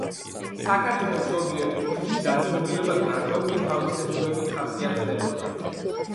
საქართველოს ზოგიერთ კუთხეში დაძმობილება გარკვეული თავისებურებით ხასიათდებოდა.